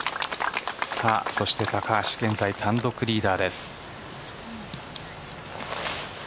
そして高橋現在単独リーダーです。